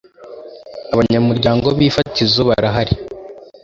Abanyamuryango b ‘ifatizo barahari.